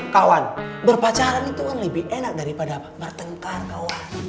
kawan berpacaran itu kan lebih enak daripada bertengkar kawan